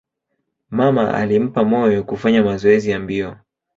Mama alimpa moyo kufanya mazoezi ya mbio.